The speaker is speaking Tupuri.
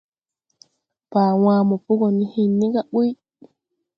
Baa wãã mo po go ne hen ni ga ɓuy.